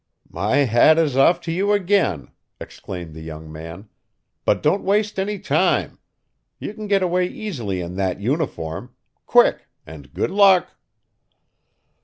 "My hat is off to you again," exclaimed the young man, "but don't waste any time. You can get away easily in that uniform quick, and good luck."